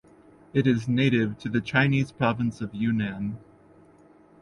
It is native to the Chinese province of Yunnan.